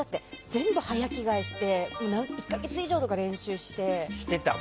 全部、早着替えして１か月以上とか練習して。